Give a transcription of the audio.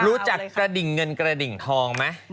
รู้จักกระดิ่งเงินกระดิ่งทองไหม